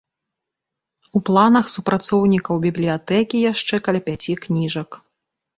У планах супрацоўнікаў бібліятэкі яшчэ каля пяці кніжак.